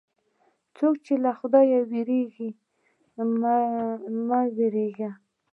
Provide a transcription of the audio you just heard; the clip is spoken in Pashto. څوک چې له خدایه وېرېږي، مه وېرېږه.